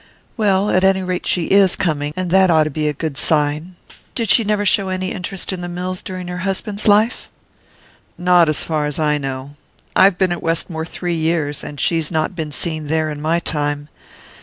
"Well, at any rate she is coming, and that ought to be a good sign. Did she never show any interest in the mills during her husband's life?" "Not as far as I know. I've been at Westmore three years, and she's not been seen there in my time.